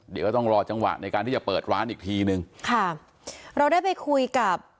เดี๋ยวก็ต้องรอจังหวะในการที่จะเปิดร้านอีกทีนึงค่ะเราได้ไปคุยกับ